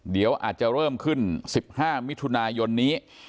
เดี๋ยวอาจจะเริ่มขึ้น๑๕มิถุนายนนี้